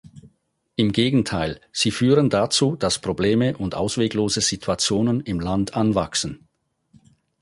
Im Gegenteil, sie führen dazu, dass Probleme und ausweglose Situationen im Land anwachsen.